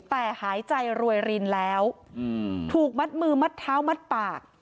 แต่หายใจรวยรินแล้วถูกมัดมือมัดเท้ามัดปาก